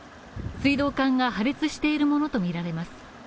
水道管が破裂しているものとみられます。